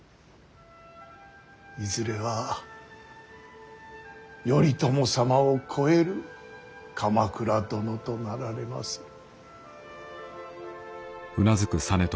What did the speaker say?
いずれは頼朝様を超える鎌倉殿となられまする。